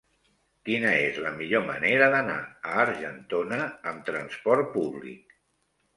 Quina és la millor manera d'anar a Argentona amb trasport públic?